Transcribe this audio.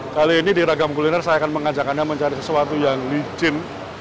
kali ini di ragam kuliner saya akan mengajak anda mencari sesuatu yang licin